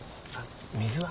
水は？